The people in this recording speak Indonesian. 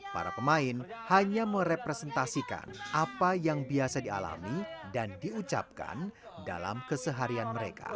para pemain hanya merepresentasikan apa yang biasa dialami dan diucapkan dalam keseharian mereka